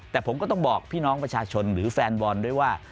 แต่ผมก็ต้องบอกพี่น้องประชาชนหรือแฟนบอลด้วยว่า